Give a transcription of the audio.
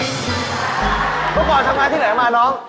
เมื่อก่อนทำงานที่ไหนมาน้อง